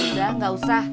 udah nggak usah